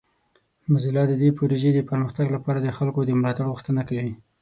موزیلا د دې پروژې د پرمختګ لپاره د خلکو د ملاتړ غوښتنه کوي.